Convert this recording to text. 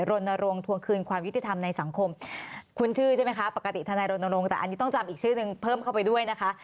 รณรงควงคืนความยุติธรรมในสังคมคุ้นชื่อใช่ไหมคะปกติทนายรณรงค์แต่อันนี้ต้องจำอีกชื่อนึงเพิ่มเข้าไปด้วยนะคะ